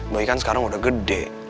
boy kan sekarang udah gede